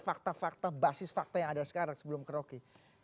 fakta fakta basis fakta yang ada sekarang sebelum keroki